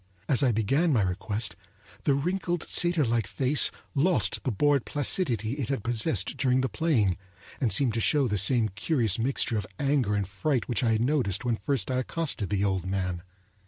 As I began my request the wrinkled satyrlike face lost the bored placidity it had possessed during the playing, and seemed to show the same curious mixture of anger and fright which I had noticed when first I accosted the old man.